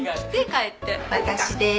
私でーす。